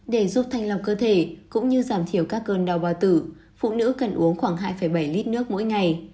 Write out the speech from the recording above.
để giúp thanh lọc cơ thể cũng như giảm thiểu các cơn đau bào tử phụ nữ cần uống khoảng hai bảy lít nước mỗi ngày